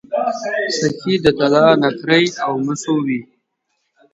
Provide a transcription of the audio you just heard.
سکې د طلا نقرې او مسو وې